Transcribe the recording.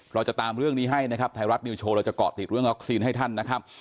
เราจะตามเรื่องนี้ให้นะครับไทยรัฐนิวโชว์เราจะเกาะติดเรื่องวัคซีนให้ท่านนะครับ